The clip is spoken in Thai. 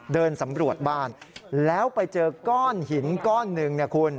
เดินสำรวจบ้านแล้วไปเจอก้อนหินก้อนหนึ่งเนี่ยคุณ